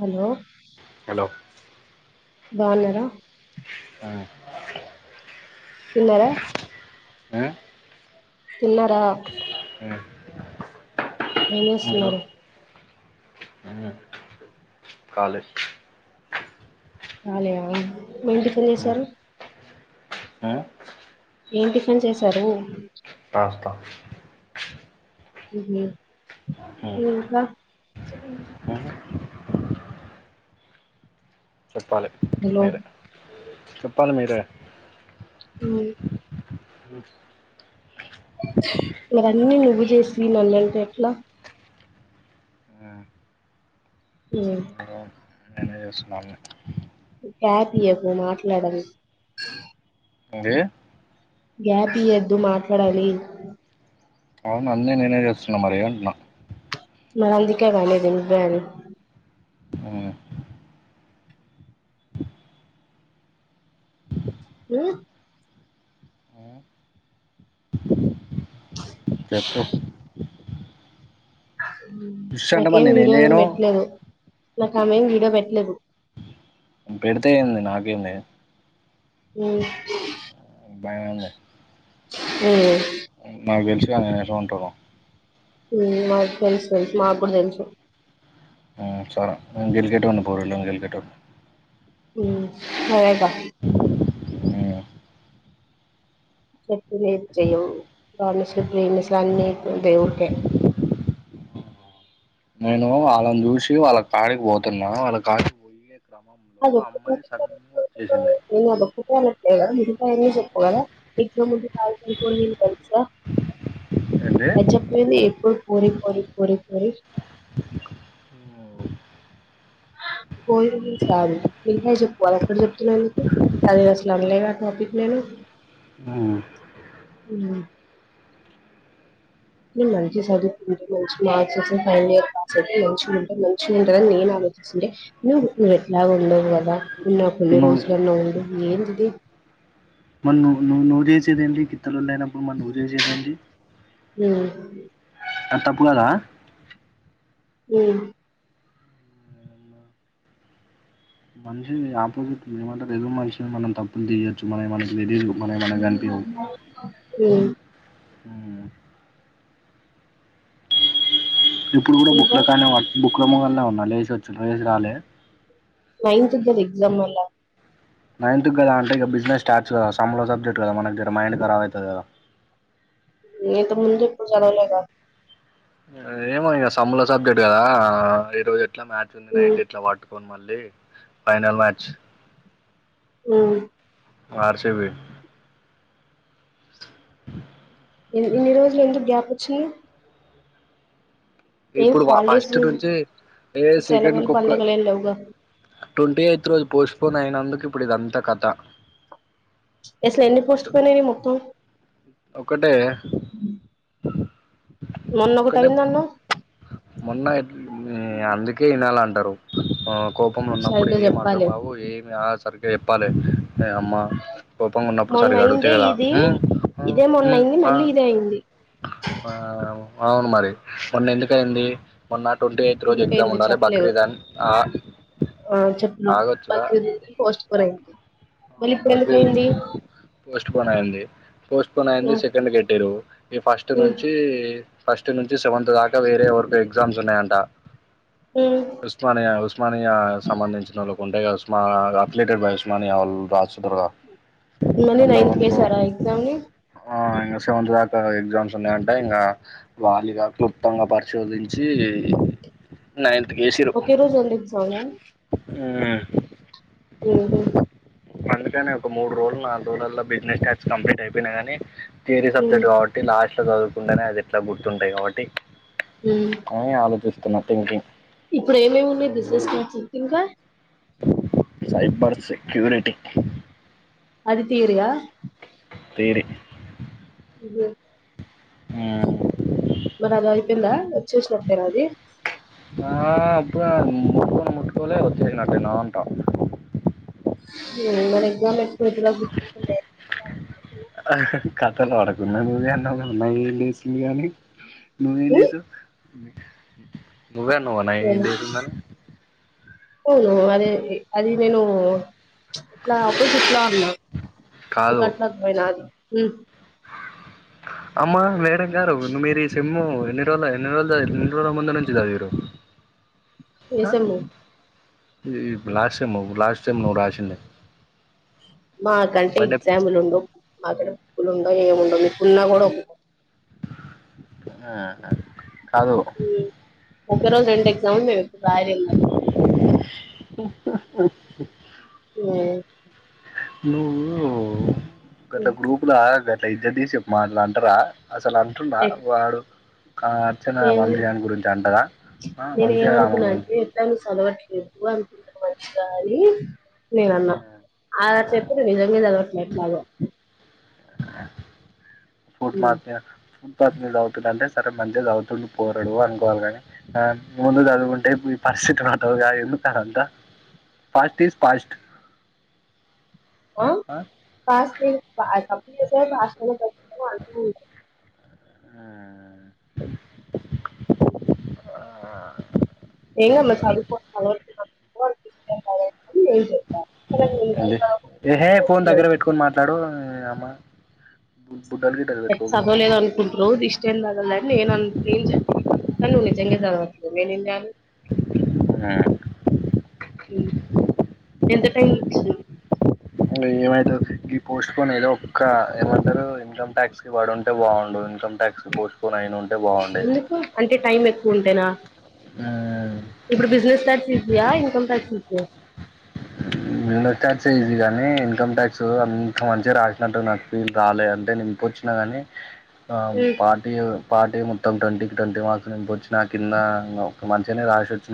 Hello hello బాగున్నారా ఆ తిన్నార ఆ తిన్నారా అ ఏంచేస్తున్నారు. కాలేజ్ కాలీయా, ఎం టిఫిన్ చేసారు. ఆ ఏం టిఫిన్ చేసారు. పాస్త ఉహు ఇంకా చెప్పాలి హలో మీరే. చెప్పలి మీరే ఉమ్మ్ మీరన్నీ నువ్వు చేసిన [unintelligible] ఎట్లా హుమ్మ్ [unintelligible] [unintelligible] మాట్లాడదు ఏంది గ్యాప్ ఇయ్యదు మాట్లాడాలి. అవును అన్నీ నేనే చేస్తున్నా మరి అంటున్న. నేన్ అందుకే అనలేదు నువ్వే అని. హూ చుప్ చెప్పు ఉష్ అంటే మరి నాకేం నేనేం వీడియో ఏం జేయ్ను. పెట్టలేదు నాకు ఆమేం వీడియో పెట్టలేదు పెడితే ఏంది నాకేంది మ్ బాగుంది మ్ నాకు తెెలిసిగా నేనే ఉంటాను మ్ మాకు తెలుసు మా గూడా తెలుసు మ్ సరే ఎజళ గట వన్న పోర్లోంగజల్ గటన్ మ్ సరేఖ చెపింది చేసినావు [unintelligible] దేవుడికే నేను వాళ్ళని చూసి వాళ్ళ కాడికి పోతున్నా వాళ్ళ కాడికి పోయి గొప్ప గొప్ప వచ్చేసింది కదా ము చెప్పగదా ఎజా ము ఉంది అని కొన్ని తెలుసా ఏంటి రజతంది ఎప్పుడు కోరి పోరీ పోరీ పోరి పో మీరు భ చెప్పు ఎక్కడ చెప్తున్నా ఎందుకు తది అసల్ టాపిక్ నేను మ్మ్ ఉమ్ మంచి సదు ఉంట మంచి మార్క్స్ వ ఫైన్ ఇయర్ పాస్ అయితే మంచిగా ఉంట మంచిగా ఉంటందిని నేను ఆలోచిస్తుండే, నువ్వు నువ్వు ఎలాగా ఉండవు కదా ఉన్నకునే నువ్వు రోజ [unintelligible] ఉండే ఏంటిది మన్ నువ్ ను చేసింద్ ఇత్తలలో లేనప్పుడు మన్ నువ్ చేసేది ఏంది మ్ ఆ తప్పు కదా మ్ మనిషి ఆపోజిట్ ఉంది ఏమంటే రదు మనిషిని మనం తప్పులు తీయొచ్చు మన మన లేడీస్లు మ్ మ్ ఇప్పుడు కూడా ఇంకా బుక్ల కానీ బుక్ రమ్ల్లనే ఉన్నా లే చలోవేసిరాలే నైన్త్ ద ఎగ్జామ్ అలా నైన్త్ కదా అంటే ఇక బిజినెస్ స్టార్ట్స్ కదా సమ్లో సబ్జెక్ట్ కదా మన దర మైండ్ కరాబ్ అవుతది కదా ఏతే ముంజప జనలేగ ఏమో ఇంక సమ్ముల సబ్జెక్ట్ కదా ఈరోజే ఇట్లా మ్యాచ్ ఉంది ఉమ్ నైట్ ఇట్లా పట్టుకోని మళ్ళీ ఫైనల్ మ్యాచ్ మ్ ఆర్ సి బి ఇన్ని రోజులు ఎందుకు గ్యాప్ వచ్చింది ఏం ఇప్పుడు హాలిడేస్ ఫస్ట్ నుంచి ఏ సెకండ్ సెలవులు కుక్క పండగలు ఏం లేవుగా ట్వంటీ ఎయిత్ రోజు పోస్ట్ పోన్ అయినందుకు ఇప్పుడు ఇదంతా కథ [unintelligible] ఎన్ని పోస్ట్ అటు పోన్ మొత్తం ఒకటే ఒకటే మొన్నొకటైందన్నావ్ మొన్న [unintelligible] అందుకే లాల అంటారు ఉ కోపంలున్నప్పుడు సరిగ్గా ఏమి అర్థం చెప్పాలి కావు ఏమి ఆస్ సరిగ్గా చెప్పాలె అమ్మా కోపంగున్నప్పుడు మొన్న సరిగా అడుగుతే అయిందే ఇది ఇదే మొన్న మ్ అయింది ఆ మళ్ళీ ఇదే అయింది మ్ ఆ పావ్ అవును మరి మొన్న ఎందుకయ్యింది మొన్న ట్వంటీ ఎయిత్ రోజు ఎగ్జామ్ ఎందుకయింది ఉండాలి చెప్పలేదు బక్రీదన్ ఆ ఆగొచ్చుగా ఫోరయ్యింది మళ్ళి ఆ బక్రీద్ ఇప్పుడెందుకయ్యింది ఉంది పోస్ట్ పోన్ అయింది పోస్ట్ పోన్ అయింది సెకండ్ కెట్టేరు ఈ ఫస్ట్ ఉమ్ నుంచి ఫస్ట్ నుంచి సెవెంత్ దాకా వేరే ఎవరికో ఎగ్జామ్స్ ఉన్నాయంట ఉమ్ ఉస్మానియా ఉస్మానియా సంబంధించినోళ్ళకుంటాయిగా ఆ అఫ్లియేటెడ్ బై ఉస్మానియా వాళ్ మళ్ళీ నైన్త్ కేసారా ఎగ్జామ్ ని [unintelligible] సెవెంత్ దాకా ఎగ్జామ్స్ ఉన్నాయంట ఇంకా వాళ్ళిగ క్లుప్తంగా పరిశోధించి నైన్ ఒకే రోజు అన్నేగ్జామ్ లా [unintelligible] ఊహూ అందుకని ఒక మూడు రోజులు నాలుగు రోజులల్లో బిజినెస్ టాక్స్ కంప్లీట్ అయిపోయినా కాని వేరే ఉమ్ సబ్జెక్ట్ కాబట్టి లాస్ ఎట్లా చదువుకండేనే అదెట్లా గుర్తుంటాయి కాబట్టి కొనీ ఆలోచిస్ [unintelligible] ఇప్పుడేమేమి ఉన్నాయి బిజినెస్ కోర్సెస్ ఇంకా సైబర్ సెక్యూరిటీ అది తీరుగా తీరి [unintelligible] ఆ [unintelligible] వచ్చేసినంతేనా అది ఆ అప్పు [unintelligible] కొలే వచ్చేసినట్టేనా అట్ట హు మరి ఫోన్ ఎత్తుక పోయి ఇచ్చి రాపో కథలు ఆడకున్న నువ్వే అన్నావ్ కద నందిని లేచందనీ నువ్వేం ఉమ్ చేసావ్ మీ నువ్వే అన్నవ నైన్న్ ఏమో డేస్ ఉందని అవును అదే అది నేను ఎట్లా అపోజిట్లా ఉన్నా మీ కాదు కట్లా పోయినాది ఉ అమ్మ మేడం గారు ను మీరి సిమ్ము ఎన్ని రోజుల ఎన్ని రోజులు ఎన్ని రోజుల మందు నుంచి చదివిరు ఏ సేమ్ ఈ లాస్ట్ సేమ్ లాస్ట్ సేమ్ నువ్వు రాసిండే మా కంటే ఎగ్జాంల్ ఉండవు ఎగ్జామ్లు ఉండవు ఏముండవు మీకున్నా కూడా ఆహా ఒక రోజు రెండు ఎక్జామ్ లు రాయలేంగా హా ఆ ఏ నువ్వు గత గ్రూపులా ఇట్ల ఇద్దరు తీసిప్పు మాట్లాడంటరా అసలు అంటున్న వాడు ఆ అర్చన ఏమని వంశీగాని గురించి అంటరా నేను వంశీగాని గురించి నువ్ అనుకుంటారు మంచిగానీ నేనన్నా ఆడ్ చెప్పిండు నిజంగా చదవట్లే మాగో ఫుట్పత్ ఫుట్పాత్త్ మీదగోతు రే మంచిగా చదువుతుండు పోరడు అనుకోవాలి కాని ముందు చదువుకుంటే ఈ పరిస్థితు అతవు కా ఎందు కారు అంతా ఫాస్ట్ ఈజ్ ఫాస్ట్ ఆ పాస్ట్ ఇస్ పాస్ట్ అప్పుడు రే హాస్టల్ నుంచి వచ్చినం అంటు ఆ ఏమ్ చదవుకో పోల లే అేహే లెహే ఫోన్ దగ్గర పెట్టుకోని మాట్లాడు మీ రా మా బూ చదవలేదు అనుకుంటురో జిష్ట ఏం తగల్లే నేను అన్ ఏం చెప్ తా కానీ వీళ్ళు నిజంగా చదవరు బుర్ర నిండా అవే ఆ ఎంత టైం మ్మ్ ఏమైతది ఈ పోస్ట్ పనిదో ఒక్క ఏమంటారు ఇన్కమ్ టాక్స్ కి పడుంటే బాగుండు ఇన్కమ్ ట్యాక్స్ కి పోస్ట్ పోన్ అయిన ఉంటే బాగుండేది ఎందుకు అంటే టైం ఎక్కువ ఉంటేనా ఇప్పుడు బిజినెస్ ట్యాక్స్ ఈజియా ఇన్కమ్ ట్యాక్స్ ఈజియా బిస్ ట్యాక్స్ ఇది కాగానీ ఇన్కమ్ ట్యాక్స్ అంత మంచిగా రాసినట్టు నాకు ఫీ రాలేదు అంటే నే ఇంపొచ్చినా గా ని ఆ పార్టీ ఎవ్ పాార్టీ మొత్తం ట్వంటీకి ట్వంటీ మార్క్స్ నింపొచ్చి నా కింద ఒక మంచ్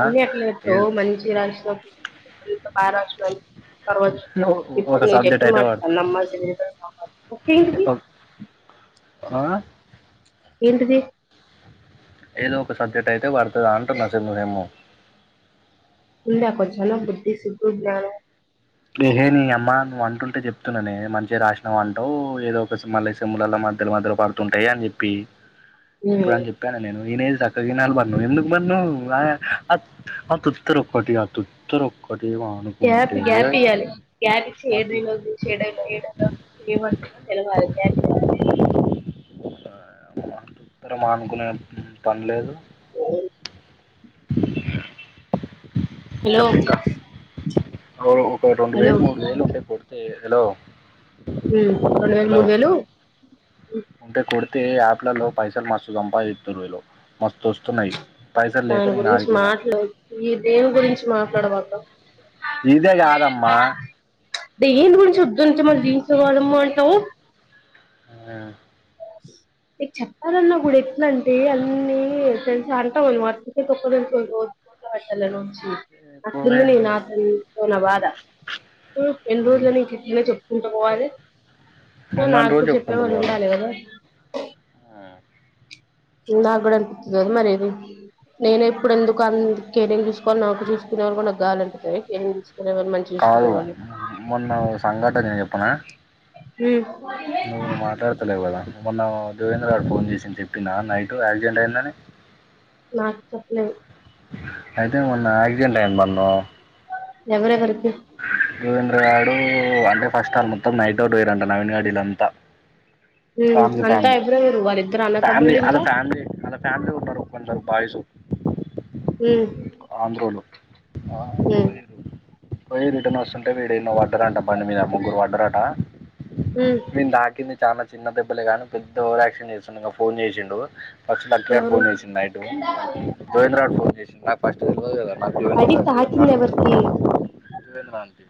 అన్నిీ అట్లా చెప్తావ్ మంచి గా రాసిన బారష్ట్రమ్ తర్వాత ఓ- ఇప్పుడు ఒక ను సబ్జెక్ట్ చెప్పిన అయితే మాట్ పడుతుంది నమ్మచ్చు ఆ ఏంటిది ఏదో ఒక సబ్జెక్ట్ అయితే పడుతదా అంటున్న సెమ్ ది ఏమో ఉందా ఒక జన బుద్ధి సుగురు జ్ఞానం నేనే లేనీ అమ్మ నువంటుంటే చెప్తున్నానే మంచిగా రాసిన వంటవు ఏదో ఒక మళ్ళీ సెమ్లలో మధ్యలో మధ్యలో పడుతుంటాయి అని చెప్పి ఇప్పుడు అని చెప్పాన నేను ఇనేది చక్కకిినాలి మా నువ్ ఎందుకు మా ను ఆ అత్ తొత్త రొక్కటి ఆ తొత్త రోక్క ఒకటెమో ఆనుకుంటే యాలి జ్ఞనిచ్చ ఏడవైలోంది ఏడైలో ఏడైలో ఏమంటుందో తెలవాలి జఞ రా మ్మ్ త్తర మా అనుకునే పని లేదు ఓ హలో చెప్పింకా ఒక రెండు హలో వేలు ఉమ్ మూడు వేలు ఉంటే సెట్ చేయ్ హలో మ్మ్ రెండు వేలు మూడు వేలు అంటే కొడితే ఆట్లలో పైసలు మత్స జంపాదిస్తారు వీళ్ళు మస్తు వస్తున్నాయి పైసలు లేక దాని నేను గురించి ఆగిపోయినా మాట్లొద్దు ఈ దేని గురించి మాట్లాడ బాకు ఇదే కాదమ్మా దేనీ గురించి వద్దంటు మరి దీన్ నువ్వే అనమంటావ్ ఆ నీక్ చెప్పాలన్నా కూడా ఎట్నంటే అన్నీ తెలుసా అంటావేమో అక ఒక్క పెట్టాలను ఒద్ చెప్పలేదు పోవే అట్లుంది నీ నాతతో నా బాధ మ్మ్ ఎన్ రోజులనీ నీతొ చెప్ ఎటు పోవాలి నాకుడ చెప్పేవాళ్ళు ఉండాలి కదా ఆహ్ నాకు కూడా అనిపితుంది కదా మరి నేనే ఏప్పుడు ఎందుకు అందు కేరింగ్ చూసుకోవాలి నాకు చూసుకునే వాళ్ళ కూడా నాకు గవాలి అనిపితుంది కాదు మొన్న సంఘటన నేను చెప్పనా నువ్వు మాట్లాడుతలేవు కదా మొన్న దేవేంద్ర గాడు ఫోన్ చేసింది చెప్పిండా నైట్ యాక్సిడెంట్ అయిందని నక్ చెప్పలేద్ అయితే మన్న ఆక్సిడెంట్ అయింది బన్నో ఎవరెవరు [inaudible] దవేంద్రగాడు అంటే ఫస్ట్ ఆల్ మొత్తం నైట్ఔట్ నవీన్ గాడు ఇదంతా ఫ్యామిలీ అంతా ఫ్యామిలీ ఎవరెవరు వాళ్ళిద్దరు ఫ్యామిలీ అన్నతమ్ముళ్ళు అలా ఇంకా ఫ్యామిలీ అలా ఫ్యామిలీగా ఉంటారు కొందరు బాయ్ సూ ఆంధ్రోలు ఆరు [unintelligible] పోయి రిటన్ వస్తుంటే వీడేమో వాడు పడ్డారట బండి మీద ముగ్గురు పడ్డరట ఈనిక్ దాకింది చానా చిన్న దెబ్బలే గానీ పెద్ద ఓవరాక్షన్ చేస్తుండు ఇకా ఫోన్ చేసిండు ఫస్ట్ అఖి గాడు ఎవరు ఫోన్ చేసిండు నైటు దోవేంద్రరాడ్ ఫోన్ చేసి [unintelligible] పడి తాకింది ఎవర్కి దురేద్రనికి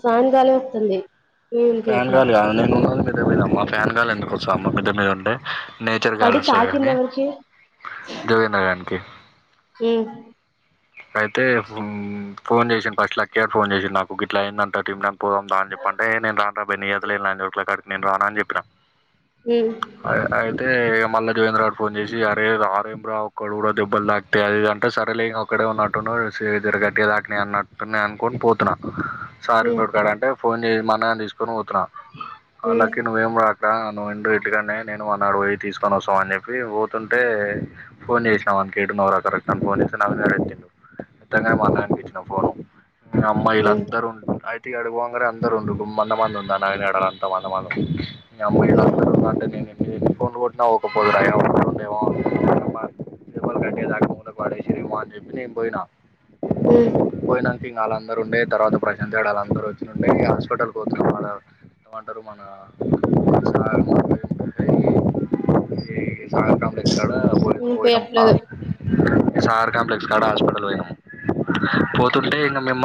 ఫ్యానుగాలి వస్తుంది ఫ్యాన్ వినిపియట్లే గాలి ఆహ్ నేను ఉన్నాగా దీనెమ్మ ఫ్యాన్ గాలి ఎందుకో వస్తంది అమ్మ మిద్ద మీద ఉంటే నేచర్ పడి గాలి ఉస్తాది తాకింది గని ఎవరికి దువిన్న గనికి ఏ అయితే హమ్ ఫోన్ చేసిండు ఫస్ట్ లక్కి గాడ్ ఫోన్ చేసిండు నాకు గిట్లా అయింద [unintelligible] పొదంద అని చెప్పంటే హే నేన్ రన్ రాబియత లేని నోట్ల కడికి నేను రానాని చెప్పిన ఉమ్ అ అ అంతే ఇక మళ్ళ దేవేంద్ర గాడు ఫోన్ చేసి అరే రారెంర ఒక్కడు కూడా దెబ్బలు తాకితే అది ఇది అంటే సరేలే ఇక ఇక్కడే ఉన్నట్టురు సేతికూడా గాట్టటి దకినై అన్నట్టున అనుకోని పోతున్నా సారంగ్ ఉమ్ రోడ్ కాడ అంటే ఫోన్ జయ్ మననీసు సును వచ్చునా ఉమ్ హలాకి నువె రా ఇక్కడ నువ్వు ఎండు ఎటుకనే నేను మానాడు పోయి తీసుకొని వస్తాం అని చెప్పి పోతుంటే ఫోన్ చేసినా వానికి ఏడ ఉన్నావు రా కరెక్ట్ అని ఫోన్ చేసిా అక్కనే మను గానికి ఇచ్చిన ఫోను ఆడ అమ్మాయిలు ఉమ్ అందరూ ఉంయి టి ఆడికి పోగానే అందరు ఉండ్రు అంద మంది ఉంది ఆ నగడ యడల అంత అంద మంది ఉంది ఇ అమ్మాయిలు ఉమ్ అందరూ ఉంట నీ ట్ ఊపోతుల్ క మూలకు పడేసిన్రు వాడ నేను పోయినా ఉ టింగ్ వాళ్ళందరూ ఉండే తర్వాత ప్రశాంతు గాడు వాళ్ళందరూ వచ్చిండేయి హాస్పిటల్కి వచ్చిన వాళ్ళ ఇమంటారు మన ర్ కాంప్లెక్స్ కాడ పోయి పోయినము ఫా వినిపియట్లేదు సార్ కంప్లక్స్ ఇకడ హాస్పిటల్ పోయినం పోతుంటే ఇంకా మిమ్మల్